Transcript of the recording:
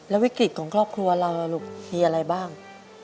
วิกฤตของครอบครัวเราล่ะลูกมีอะไรบ้าง